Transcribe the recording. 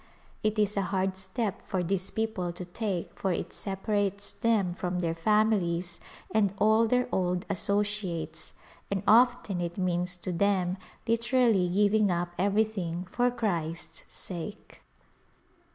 It is a hard step for these people to take for it separates them from their families and all their old associates, and often it means to them literally giving up everything for Christ's sake.